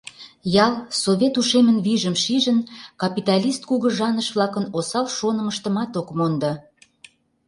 Ял, Совет Ушемын вийжым шижын, капиталист кугыжаныш-влакын осал шонымыштымат ок мондо.